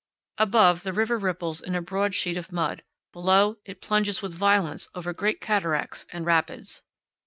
Above, the river ripples in a broad sheet of mud; below, it plunges with violence over great cataracts and rapids.